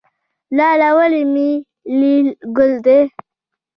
لاله ولې ملي ګل دی؟